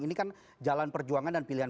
ini kan jalan perjuangan dan pilihan